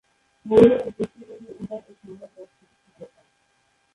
মুলত তার দৃষ্টিভঙ্গি উদার ও সাম্যের পক্ষে।